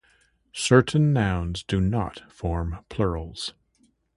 Certain nouns do not form plurals.